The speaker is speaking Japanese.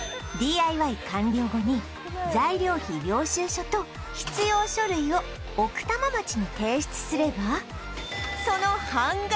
ＤＩＹ 完了後に材料費領収書と必要書類を奥多摩町に提出すれば